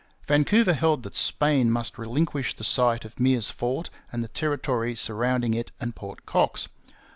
Vancouver held that Spain must relinquish the site of Meares's fort and the territory surrounding it and Port Cox.